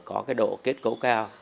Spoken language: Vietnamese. có cái độ kết cấu cao